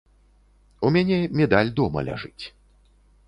У мяне медаль дома ляжыць.